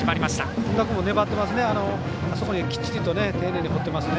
本田君も粘ってますね